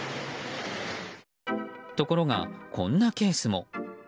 ところが、こんなケースも。